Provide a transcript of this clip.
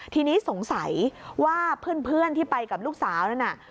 ทีนี้สงสัยว่าเพื่อนที่ไปกับลูกสาวนั่นน่ะ